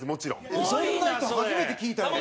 蛍原：そんな人初めて聞いたよ。